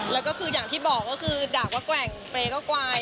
แล้วก็คืออย่างที่บอกก็คือด่าว่าแกว่งเปรย์ก็กวาย